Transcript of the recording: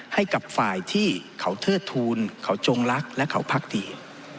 ให้กับฝ่ายที่เขาเทิดทูลเขาจงรักและเขาพักดี